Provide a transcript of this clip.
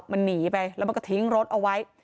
มันหนีไปแล้วมันก็ทิ้งรถเอาไว้